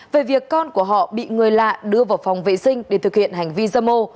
về việc con của họ bị người lạ đưa vào phòng vệ sinh để thực hiện hành vi dâm ô